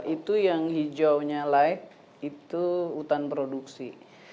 itu yang hijaunya like itu hutan produksi